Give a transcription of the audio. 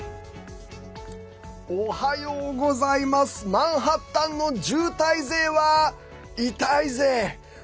マンハッタンの渋滞税は痛いぜい！